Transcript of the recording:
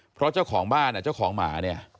เพราะเจ้าของบ้านเจ้าของหมาเนี่ย